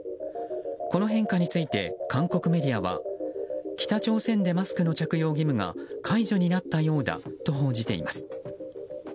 この変化について韓国メディアは北朝鮮でマスクの着用義務が解除になったようだと報じています。